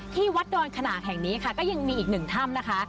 ที่วัดดอนขนากแห่งนี้ค่ะก็ยังมีอีกหนึ่งถ้ำนะคะ